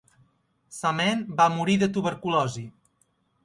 Samain va morir de tuberculosi.